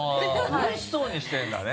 あぁうれしそうにしてるんだね。